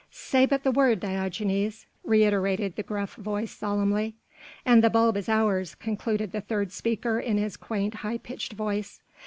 "Say but the word, Diogenes ..." reiterated the gruff voice solemnly. "And the bulb is ours," concluded the third speaker in his quaint high pitched voice.